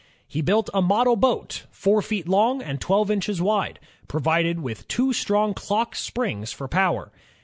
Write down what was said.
He built a model boat, four feet long and twelve inches wide, provided with two strong clock springs for power.